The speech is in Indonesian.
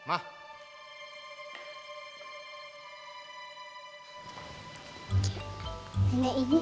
sama kayak nenek yang di rumah